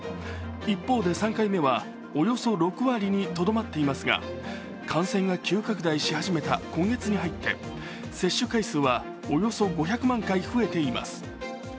一方で３回目はおよそ６割にとどまっていますが、感染が急拡大し始めた今月に入って接種回数はおよそ５００万回増えています。